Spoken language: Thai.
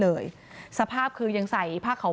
นายพิรายุนั่งอยู่ติดกันแบบนี้นะคะ